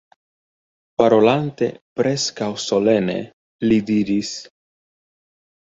Parolante preskaŭ solene, li diris: